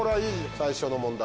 最初の問題